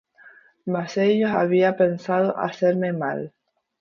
Mas ellos habían pensado hacerme mal.